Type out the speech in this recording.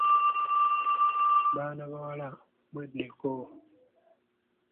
Baana bawala mweddeko!